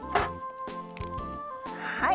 はい。